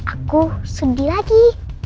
aku sedih lagi